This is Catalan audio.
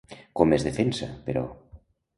Com es defensa, però?